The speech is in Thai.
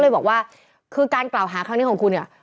ก็เลยบอกว่าคือการกล่าวฮาของคุณเนี่ย